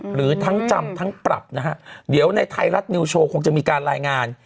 หรือทั้งจำทั้งปรับนะฮะเดี๋ยวในไทยรัฐนิวโชว์คงจะมีการรายงาน